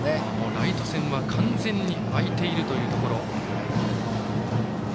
ライト線は完全に空いているというところ。